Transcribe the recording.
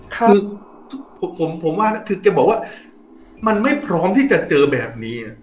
คือผมว่านะคือแกบอกว่ามันไม่พร้อมที่จะเจอแบบนี้